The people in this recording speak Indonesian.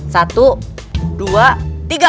satu dua tiga